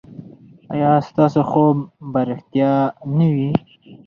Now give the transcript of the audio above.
ایا ستاسو خوب به ریښتیا نه وي؟